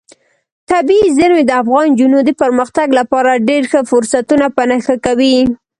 طبیعي زیرمې د افغان نجونو د پرمختګ لپاره ډېر ښه فرصتونه په نښه کوي.